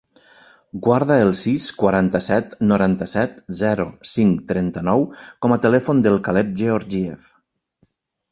Guarda el sis, quaranta-set, noranta-set, zero, cinc, trenta-nou com a telèfon del Caleb Georgiev.